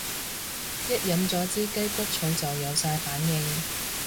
一飲咗支雞骨草就有晒反應